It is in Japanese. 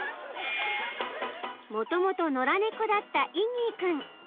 ［もともと野良猫だったイギー君］